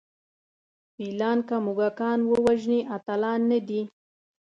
فیلان که موږکان ووژني اتلان نه دي.